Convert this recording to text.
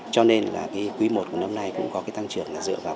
cho nên là quý i của năm nay cũng có tăng trưởng dựa vào